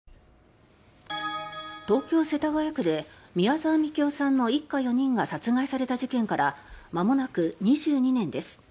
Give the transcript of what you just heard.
東京・世田谷区で宮沢みきおさんの一家４人が殺害された事件からまもなく２２年です。